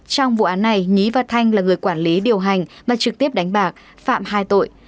trong vụ án này nhí và thanh là người quản lý điều hành mà trực tiếp đánh bạc phạm hai tội